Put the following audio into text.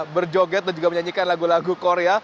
berjoget dan juga menyanyikan lagu lagu korea